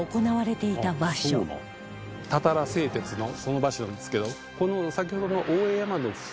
たたら製鉄のその場所なんですけど先ほどの大江山の麓